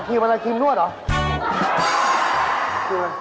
ครีมอะไรครีมครีมนวดเหรอ